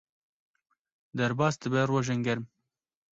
Derbas dibe rojên germ.